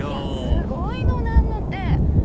すごいの何のって。